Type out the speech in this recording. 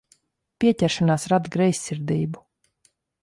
Pieķeršanās rada greizsirdību.